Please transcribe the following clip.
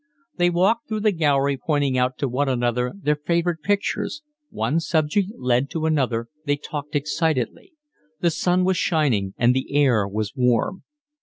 They walked through the gallery pointing out to one another their favourite pictures; one subject led to another; they talked excitedly. The sun was shining and the air was warm.